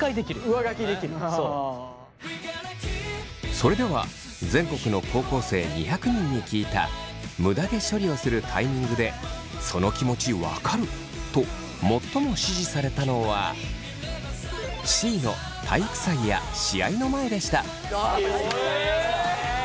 それでは全国の高校生２００人に聞いたむだ毛処理をするタイミングで「その気持ち分かる！」と最も支持されたのはあっ体育祭なんだ。え！